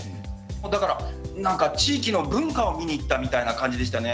だから何か地域の文化を見に行ったみたいな感じでしたね。